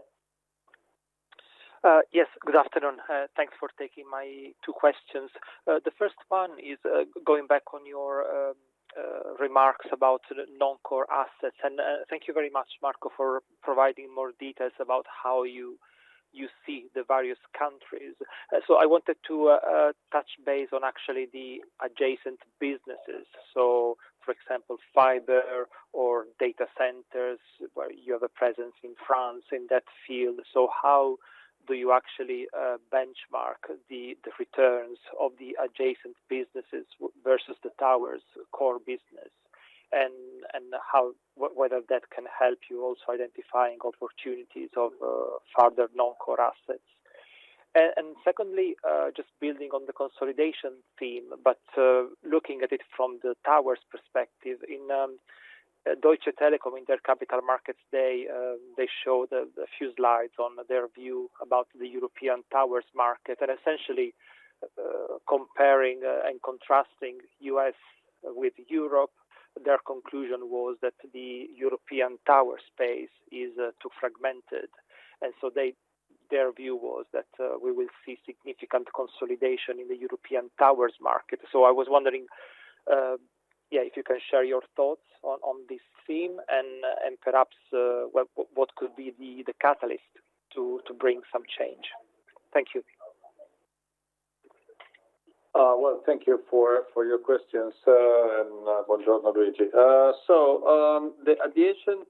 Speaker 9: Yes, good afternoon. Thanks for taking my two questions. The first one is going back on your remarks about non-core assets, and thank you very much, Marco, for providing more details about how you see the various countries, so I wanted to touch base on actually the adjacent businesses, so, for example, fiber or data centers where you have a presence in France in that field, so how do you actually benchmark the returns of the adjacent businesses versus the towers' core business and whether that can help you also identifying opportunities of farther non-core assets?, and secondly, just building on the consolidation theme, but looking at it from the towers' perspective, in Deutsche Telekom Capital Markets, they showed a few slides on their view about the European towers market, and essentially comparing and contrasting U.S. with Europe, their conclusion was that the European tower space is too fragmented. And so their view was that we will see significant consolidation in the European towers market. So I was wondering, yeah, if you can share your thoughts on this theme and perhaps what could be the catalyst to bring some change. Thank you.
Speaker 2: Thank you for your questions. Buongiorno, Luigi. The adjacent,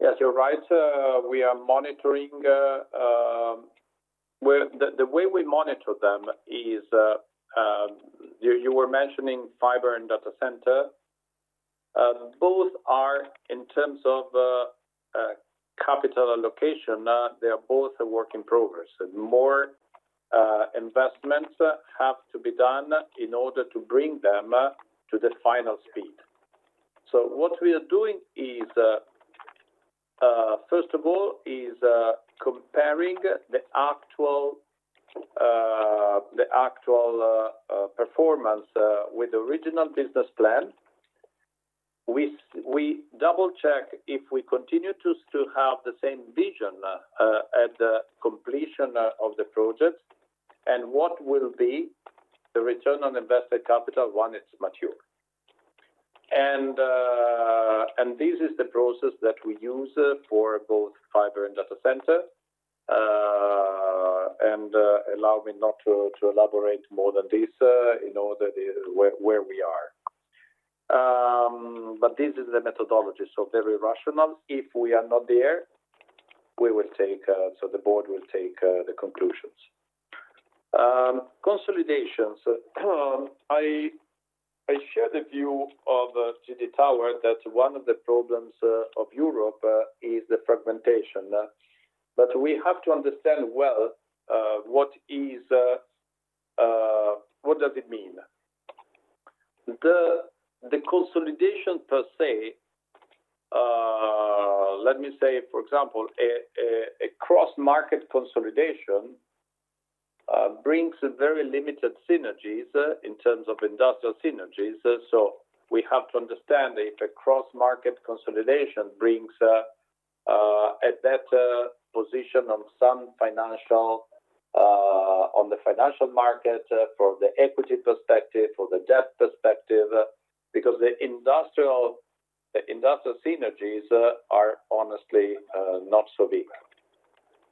Speaker 2: yes, you're right. We are monitoring. The way we monitor them is you were mentioning fiber and data center. Both are in terms of capital allocation, they are both work in progress. More investments have to be done in order to bring them to the final speed. What we are doing is, first of all, is comparing the actual performance with the original business plan. We double-check if we continue to have the same vision at the completion of the project and what will be the return on invested capital when it's mature. This is the process that we use for both fiber and data center. Allow me not to elaborate more than this in order where we are. This is the methodology. Very rational. If we are not there, we will take so the board will take the conclusions. Consolidations. I share the view of GD Towers that one of the problems of Europe is the fragmentation. But we have to understand well what does it mean. The consolidation per se, let me say, for example, a cross-market consolidation brings very limited synergies in terms of industrial synergies. We have to understand if a cross-market consolidation brings a better position on the financial market for the equity perspective, for the debt perspective, because the industrial synergies are honestly not so big.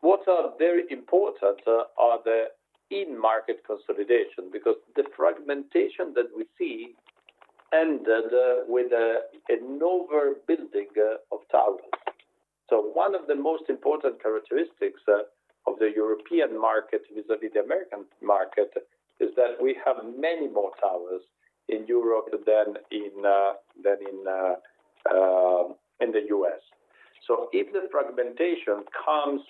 Speaker 2: What are very important are the in-market consolidations because the fragmentation that we see ended with an overbuilding of towers. One of the most important characteristics of the European market vis-à-vis the American market is that we have many more towers in Europe than in the U.S. So if the fragmentation comes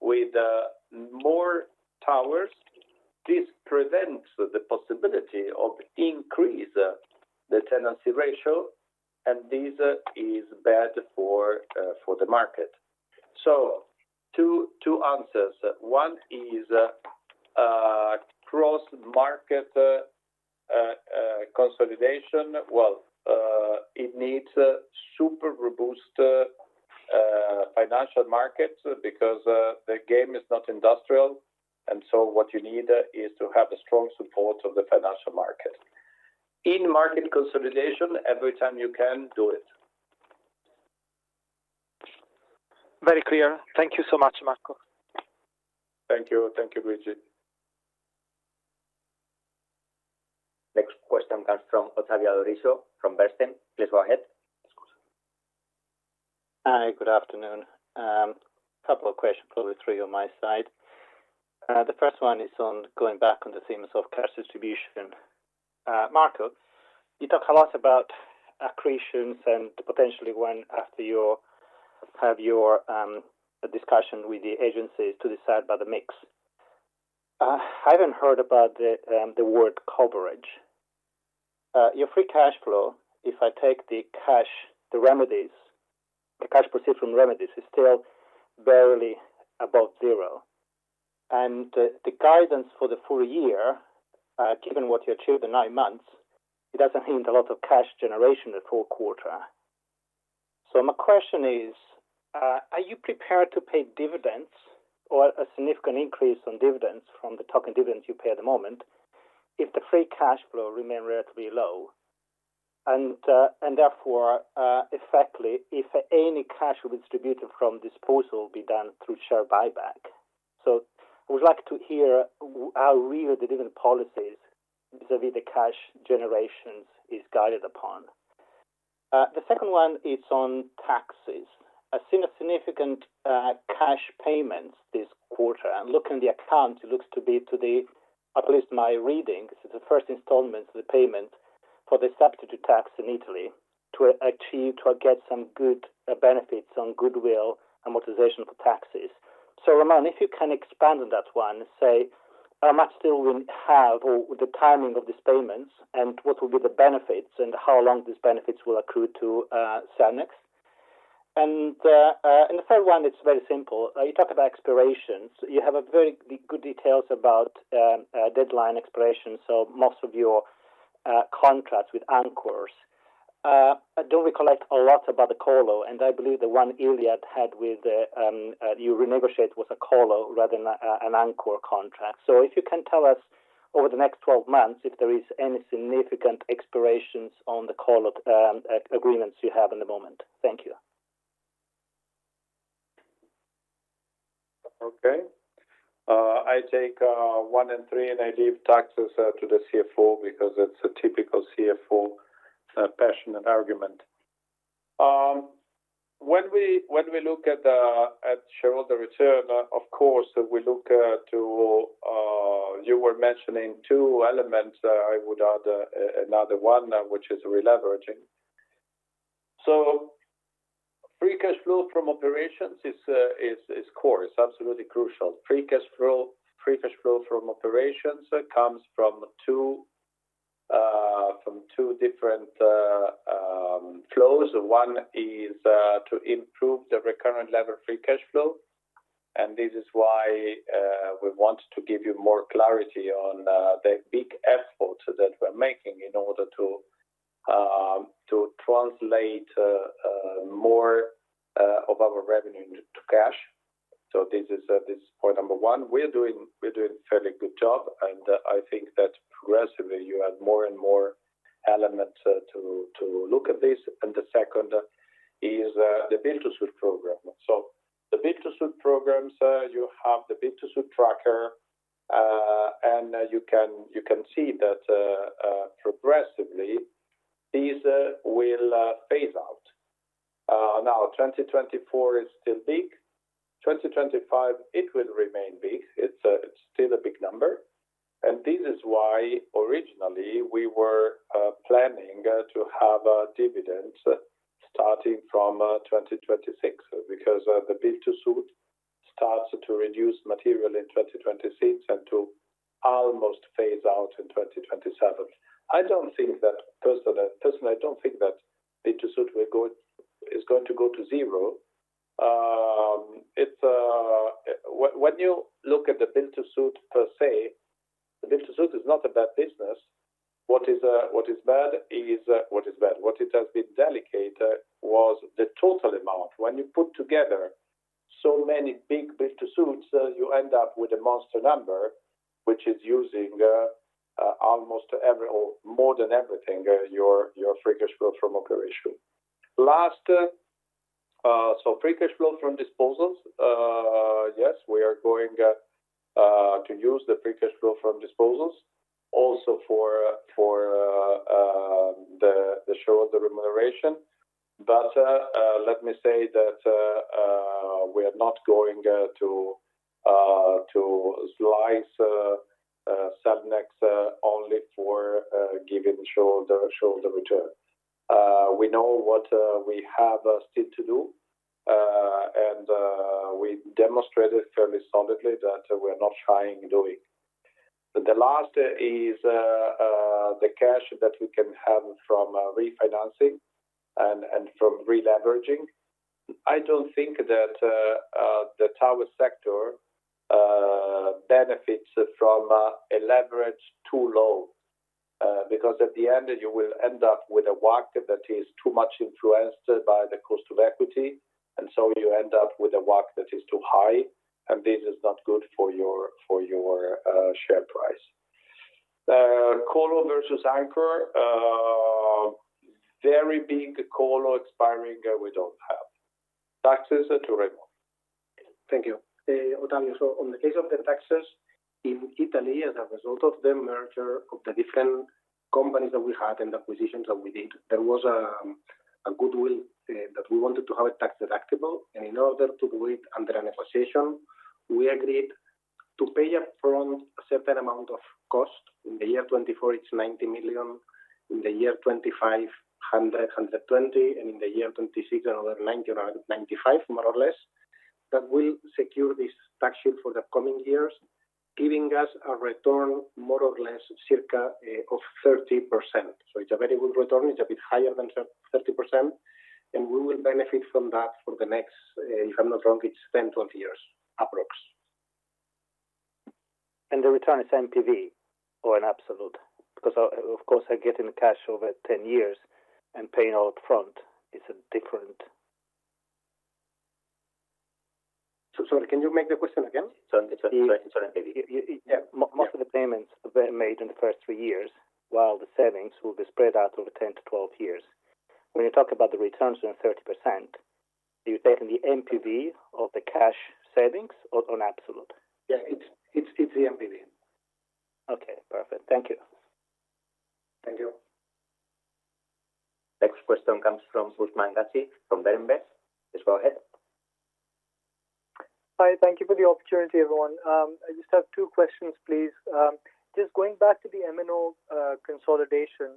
Speaker 2: with more towers, this prevents the possibility of increasing the tenancy ratio, and this is bad for the market, so two answers. One is cross-market consolidation. Well, it needs super robust financial markets because the game is not industrial, and so what you need is to have a strong support of the financial market. In-market consolidation, every time you can do it.
Speaker 9: Very clear. Thank you so much, Marco.
Speaker 2: Thank you. Thank you, Luigi.
Speaker 1: Next question comes from Ottavio Adorisio from Bernstein. Please go ahead.
Speaker 10: Hi, good afternoon. A couple of questions, probably three, on my side. The first one is on going back on the themes of cash distribution. Marco, you talk a lot about accretions and potentially when after you have your discussion with the agencies to decide about the mix. I haven't heard about the word coverage. Your free cash flow, if I take the cash, the remedies the cash proceeds from remedies is still barely above zero. And the guidance for the full year, given what you achieved in nine months, it doesn't mean a lot of cash generation the full quarter. So my question is, are you prepared to pay dividends or a significant increase on dividends from the token dividends you pay at the moment if the free cash flow remains relatively low? And therefore, effectively, if any cash will be distributed from disposal be done through share buyback? I would like to hear how real the dividend policies vis-à-vis the cash generations is guided upon. The second one is on taxes. I've seen a significant cash payments this quarter. And looking at the account, it looks to be, at least my reading, it's the first installment of the payment for the substitute tax in Italy to get some good benefits on goodwill and amortization for taxes. So Raimon, if you can expand on that one and say how much still we have or the timing of these payments and what will be the benefits and how long these benefits will accrue to Cellnex. And the third one, it's very simple. You talk about expirations. You have very good details about deadline expiration, so most of your contracts with anchors. I don't recollect a lot about the colo, and I believe the one Iliad had with you renegotiated was a colo rather than an anchor contract. So if you can tell us over the next 12 months if there is any significant expirations on the colo agreements you have at the moment? Thank you.
Speaker 2: Okay. I take one and three, and I leave taxes to the CFO because it's a typical CFO passionate argument. When we look at shareholder return, of course, we look at what you were mentioning two elements. I would add another one, which is releveraging. Free cash flow from operations is core. It's absolutely crucial. Free cash flow from operations comes from two different flows. One is to improve the recurring levered free cash flow. And this is why we want to give you more clarity on the big effort that we're making in order to translate more of our revenue into cash. So this is point number one. We're doing a fairly good job, and I think that progressively you have more and more elements to look at this. And the second is the BTS program. The BTS programs, you have the BTS tracker, and you can see that progressively these will phase out. Now, 2024 is still big. 2025, it will remain big. It's still a big number. And this is why originally we were planning to have dividends starting from 2026 because the BTS starts to reduce material in 2026 and to almost phase out in 2027. I don't think that personally, I don't think that BTS is going to go to zero. When you look at the BTS per se, the BTS is not a bad business. What is bad is what is bad. What it has been delicate was the total amount. When you put together so many big BTSs, you end up with a monster number, which is using almost more than everything your free cash flow from operation. Last, so free cash flow from disposals, yes, we are going to use the free cash flow from disposals also for the shareholder remuneration. But let me say that we are not going to slice Cellnex only for giving shareholder return. We know what we have still to do, and we demonstrated fairly solidly that we are not trying doing. The last is the cash that we can have from refinancing and from releveraging. I don't think that the tower sector benefits from a leverage too low because at the end, you will end up with a WACC that is too much influenced by the cost of equity. And so you end up with a WACC that is too high, and this is not good for your share price. Colo versus anchor, very big colo expiring we don't have. Taxes to remove.
Speaker 3: Thank you. Ottavio, so on the case of the taxes in Italy as a result of the merger of the different companies that we had and the acquisitions that we did, there was a goodwill that we wanted to have a tax deductible, and in order to do it under a negotiation, we agreed to pay upfront a certain amount of cost. In 2024, it's 90 million. In 2025, 100-120. In 2026, another 90-95, more or less, that will secure this tax shield for the coming years, giving us a return more or less circa of 30%. So it's a very good return. It's a bit higher than 30%. And we will benefit from that for the next, if I'm not wrong, it's 10-12 years approx.
Speaker 10: The return is NPV or an absolute? Because, of course, getting cash over 10 years and paying out front is a different.
Speaker 3: Sorry, can you make the question again?
Speaker 2: It's on NPV.
Speaker 10: Yeah. Most of the payments were made in the first three years, while the savings will be spread out over 10-12 years. When you talk about the returns on 30%, are you taking the NPV of the cash savings or an absolute?
Speaker 3: Yeah, it's the NPV.
Speaker 10: Okay. Perfect. Thank you.
Speaker 3: Thank you.
Speaker 1: Next question comes from Usman Ghazi from Berenberg. Please go ahead.
Speaker 11: Hi. Thank you for the opportunity, everyone. I just have two questions, please. Just going back to the MNO consolidation,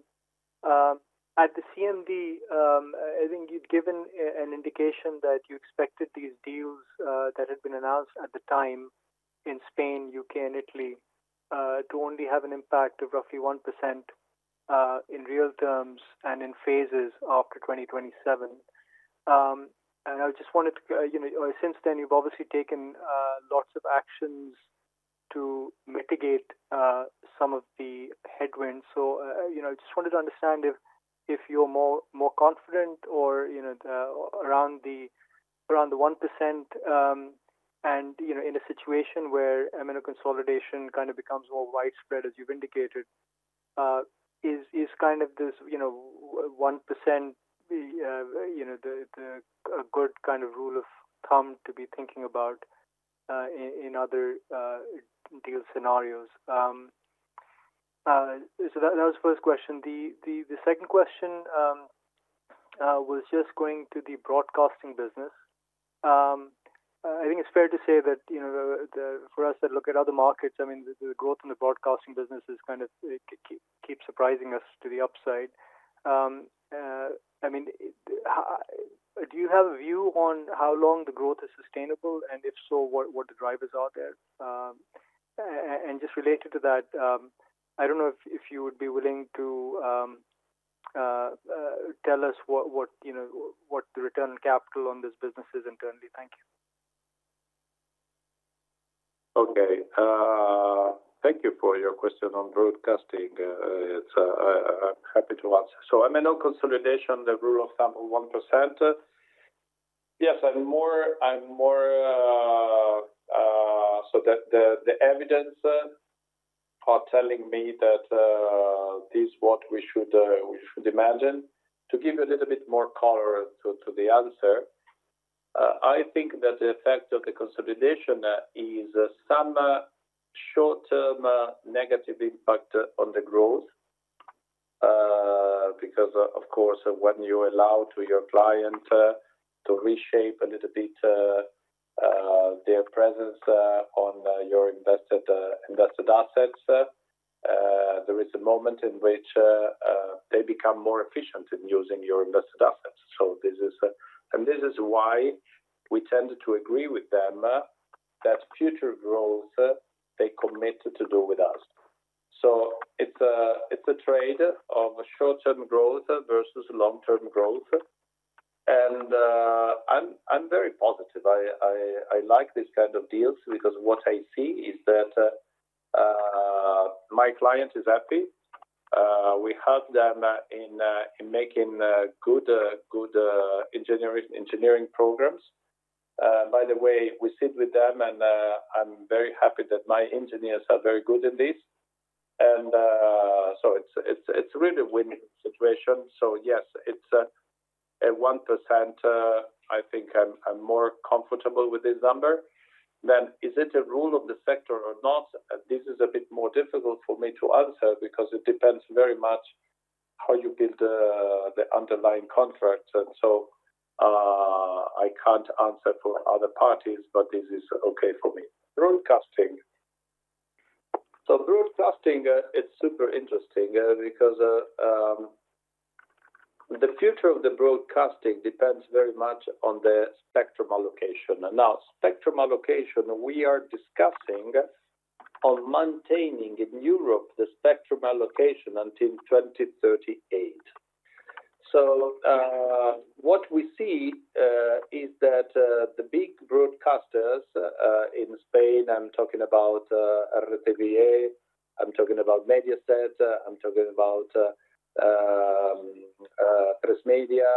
Speaker 11: at the CMD, I think you'd given an indication that you expected these deals that had been announced at the time in Spain, UK, and Italy to only have an impact of roughly 1% in real terms and in phases after 2027. And I just wanted to, since then, you've obviously taken lots of actions to mitigate some of the headwinds. So I just wanted to understand if you're more confident or around the 1% and in a situation where MNO consolidation kind of becomes more widespread, as you've indicated, is kind of this 1% the good kind of rule of thumb to be thinking about in other deal scenarios. So that was the first question. The second question was just going to the broadcasting business. I think it's fair to say that for us that look at other markets, I mean, the growth in the broadcasting business is kind of keeps surprising us to the upside. I mean, do you have a view on how long the growth is sustainable? And if so, what the drivers are there? And just related to that, I don't know if you would be willing to tell us what the return on capital on this business is internally. Thank you.
Speaker 2: Okay. Thank you for your question on broadcasting. I'm happy to answer. So MNO consolidation, the rule of thumb of 1%. Yes, I'm more so the evidence are telling me that this is what we should imagine. To give you a little bit more color to the answer, I think that the effect of the consolidation is some short-term negative impact on the growth because, of course, when you allow your client to reshape a little bit their presence on your invested assets, there is a moment in which they become more efficient in using your invested assets. And this is why we tend to agree with them that future growth, they commit to do with us. So it's a trade-off short-term growth versus long-term growth. And I'm very positive. I like this kind of deals because what I see is that my client is happy. We help them in making good engineering programs. By the way, we sit with them, and I'm very happy that my engineers are very good in this. And so it's really a win-win situation. So yes, it's a 1%. I think I'm more comfortable with this number. Then is it a rule of the sector or not? This is a bit more difficult for me to answer because it depends very much how you build the underlying contract. And so I can't answer for other parties, but this is okay for me. Broadcasting. So broadcasting, it's super interesting because the future of the broadcasting depends very much on the spectrum allocation. And now, spectrum allocation, we are discussing on maintaining in Europe the spectrum allocation until 2038. What we see is that the big broadcasters in Spain, I'm talking about RTVE, I'm talking about Mediaset, I'm talking about Atresmedia,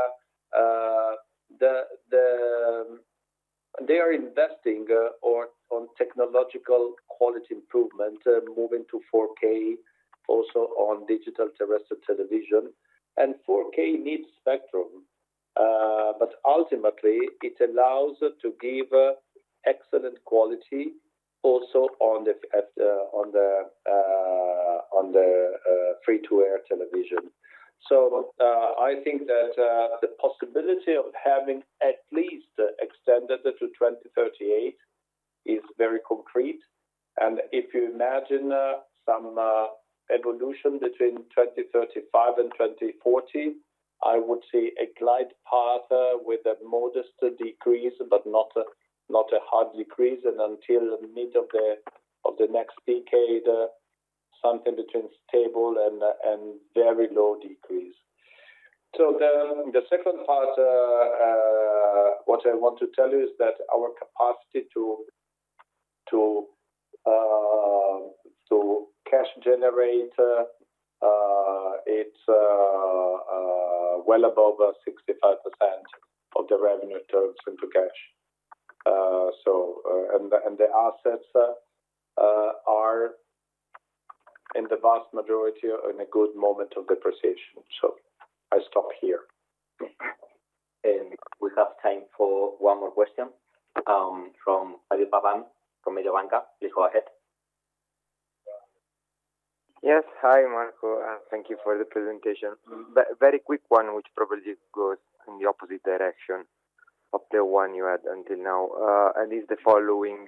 Speaker 2: they are investing on technological quality improvement, moving to 4K also on digital terrestrial television. 4K needs spectrum, but ultimately, it allows to give excellent quality also on the free-to-air television. I think that the possibility of having at least extended to 2038 is very concrete. If you imagine some evolution between 2035 and 2040, I would see a glide path with a modest decrease, but not a hard decrease. Until the middle of the next decade, something between stable and very low decrease. The second part, what I want to tell you, is that our capacity to cash generate, it's well above 65% of the revenue turned into cash. The assets are in the vast majority in a good moment of depreciation, so I stop here.
Speaker 1: We have time for one more question from Fabio Pavan from Mediobanca. Please go ahead.
Speaker 12: Yes. Hi, Marco. Thank you for the presentation. Very quick one, which probably goes in the opposite direction of the one you had until now. It's the following.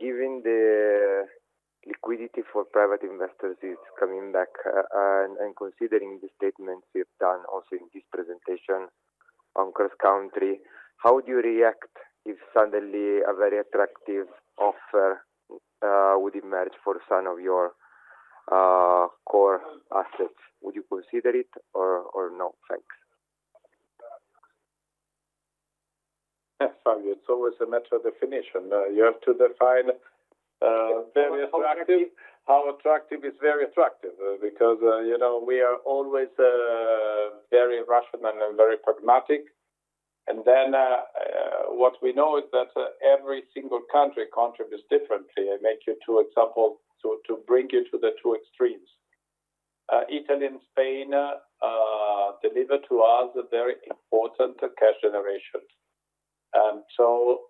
Speaker 12: Given the liquidity for private investors is coming back and considering the statements you've done also in this presentation on cross-country, how would you react if suddenly a very attractive offer would emerge for some of your core assets? Would you consider it or no? Thanks.
Speaker 2: Yes, Fabio. It's always a matter of definition. You have to define very attractive. How attractive is very attractive because we are always very rational and very pragmatic. And then what we know is that every single country contributes differently. I make you two examples to bring you to the two extremes. Italy and Spain deliver to us very important cash generation. And so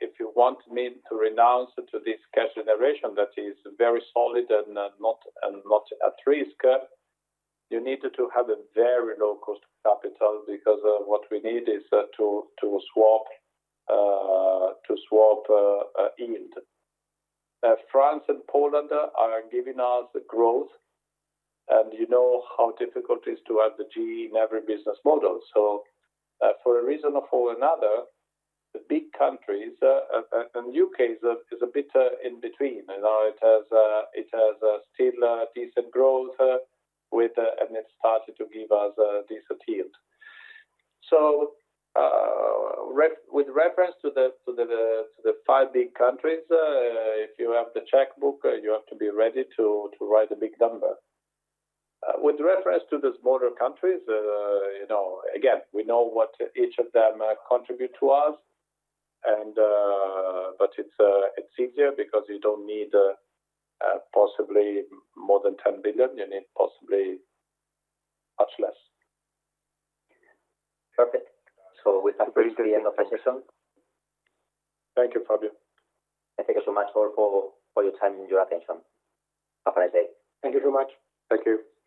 Speaker 2: if you want me to renounce to this cash generation that is very solid and not at risk, you need to have a very low cost of capital because what we need is to swap yield. France and Poland are giving us growth. And you know how difficult it is to have the G in every business model. So for a reason or for another, the big countries, and the UK is a bit in between. It has still decent growth, and it started to give us a decent yield. So with reference to the five big countries, if you have the checkbook, you have to be ready to write a big number. With reference to those border countries, again, we know what each of them contribute to us. But it's easier because you don't need possibly more than 10 billion. You need possibly much less.
Speaker 1: Perfect. So we have reached the end of the session.
Speaker 2: Thank you, Fabio.
Speaker 1: Thank you so much for your time and your attention. Have a nice day.
Speaker 3: Thank you so much.
Speaker 2: Thank you.